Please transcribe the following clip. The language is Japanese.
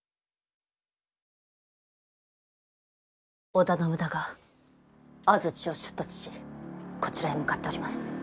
織田信長安土を出立しこちらへ向かっております。